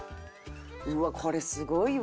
うわっこれすごいわ！